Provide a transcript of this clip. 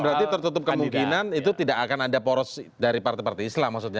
berarti tertutup kemungkinan itu tidak akan ada poros dari partai partai islam maksudnya